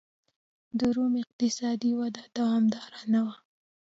د روم اقتصادي وده دوامداره نه وه.